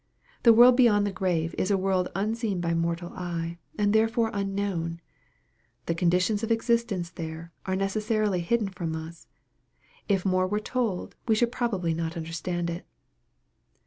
The world beyond the grave is a world unseen bymortal eye, and therefore unknown. The conditions of existence there, are necessarily hidden from us, and if more were told, we should probably not under stand it.